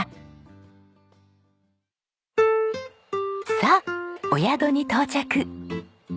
さあお宿に到着。